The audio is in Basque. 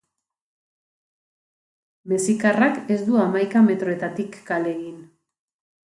Mexikarrak ez du hamaika metroetatik kale egin.